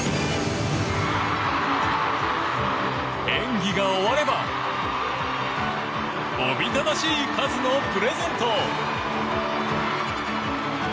演技が終わればおびただしい数のプレゼント。